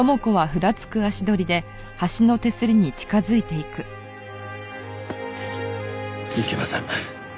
いけません。